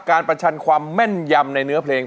ประชันความแม่นยำในเนื้อเพลง